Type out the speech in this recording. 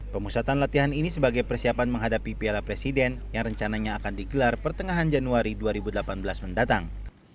pemusatan latihan ini sebagai persiapan menghadapi piala presiden yang rencananya akan digelar pertengahan januari dua ribu delapan belas mendatang